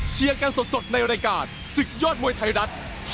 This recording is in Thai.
กันสดในรายการศึกยอดมวยไทยรัฐ